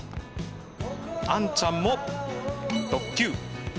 あんちゃんも特急。